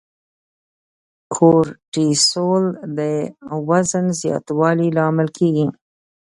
کورټیسول د وزن زیاتوالي لامل کېږي.